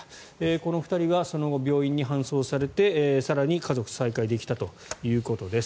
この２人はその後病院に搬送されて更に家族と再会できたということです。